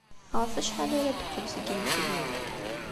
Ɣef wacḥal ara d-teqqel seg yimekli?